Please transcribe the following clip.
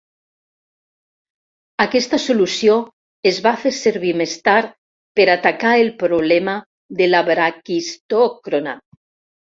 Aquesta solució es va fer servir més tard per atacar el problema de la braquistòcrona.